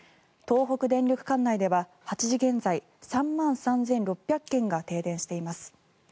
東北電力管内では８時現在、３万３６００軒が停電しています。